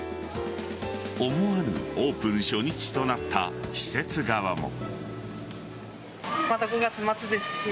思わぬオープン初日となった施設側も。